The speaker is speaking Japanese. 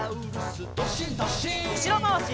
うしろまわし。